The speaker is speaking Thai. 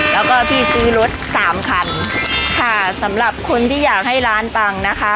แล้วก็พี่ซื้อรถสามคันค่ะสำหรับคนที่อยากให้ร้านปังนะคะ